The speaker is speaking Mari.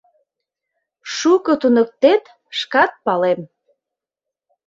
Шуко туныктет, шкат палем!